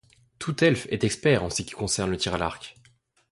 Tout elfe est expert en ce qui concerne le tir à l'arc.